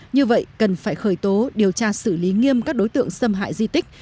như vậy cần phải khởi tố điều tra xử lý nghiêm các đối tượng xâm hại di tích